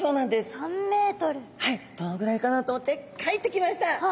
はいどのぐらいかなと思って描いてきました。